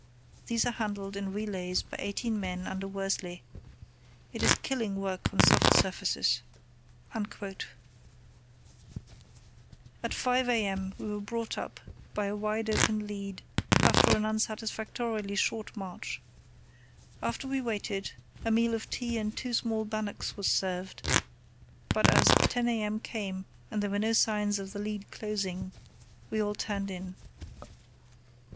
These are handled in relays by eighteen men under Worsley. It is killing work on soft surfaces." At 5 a.m. we were brought up by a wide open lead after an unsatisfactorily short march. While we waited, a meal of tea and two small bannocks was served, but as 10 a.m. came and there were no signs of the lead closing we all turned in.